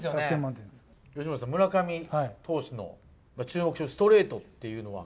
由伸さん、村上選手の注目のストレートっていうのは。